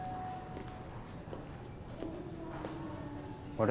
あれ？